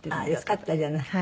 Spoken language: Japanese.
よかったじゃない。